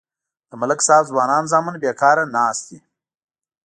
د ملک صاحب ځوانان زامن بیکار ناست دي.